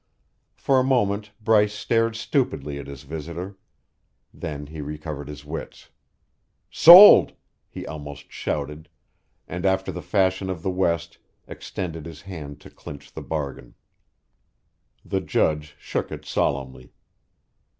For a moment Bryce stared stupidly at his visitor. Then he recovered his wits. "Sold!" he almost shouted, and after the fashion of the West extended his hand to clinch the bargain. The Judge shook it solemnly.